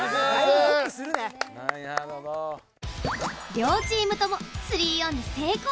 両チームとも３オンに成功。